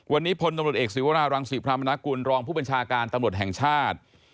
วันนี้พลตำรวจเอกศิวรารังศรีพรามนากุลรองผู้บัญชาการตำรวจแห่งชาติ